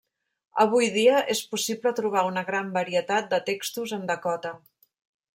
Avui dia, és possible trobar una gran varietat de textos en dakota.